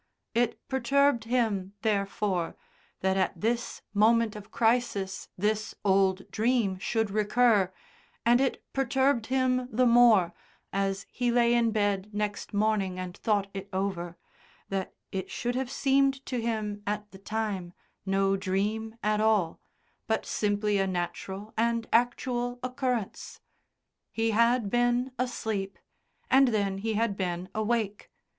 It perturbed him, therefore, that at this moment of crisis this old dream should recur, and it perturbed him the more, as he lay in bed next morning and thought it over, that it should have seemed to him at the time no dream at all, but simply a natural and actual occurrence. He had been asleep, and then he had been awake.